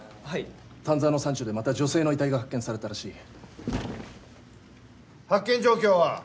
はい丹沢の山中でまた女性の遺体が発見されたらしい発見状況は？